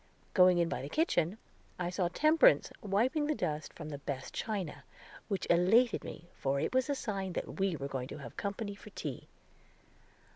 Going in by the kitchen, I saw Temperance wiping the dust from the best china, which elated me, for it was a sign that we were going to have company to tea.